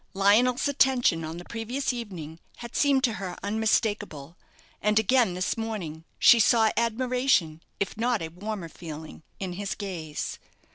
Lionel's attention on the previous evening had seemed to her unmistakeable; and again this morning she saw admiration, if not a warmer feeling, in his gaze.